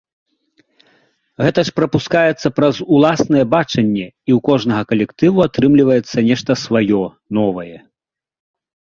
Гэта ж прапускаецца праз уласнае бачанне, і ў кожнага калектыву атрымліваецца нешта сваё, новае.